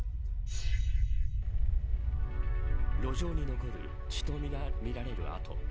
路上に残る血とみられる跡。